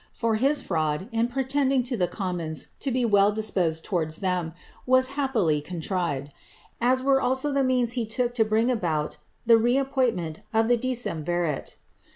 For his fraud in pretending to the commons to be well disposed towards them, was happily contrived; as were also the means he took to bring about the reappointment of the decemvirate.